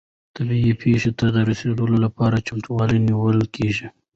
طبیعي پیښو ته د رسیدو لپاره چمتووالی نیول کیږي.